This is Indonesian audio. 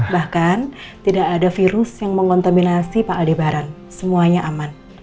bahkan tidak ada virus yang mengontaminasi pak aldebaran semuanya aman